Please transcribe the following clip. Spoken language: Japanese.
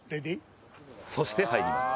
そして入ります。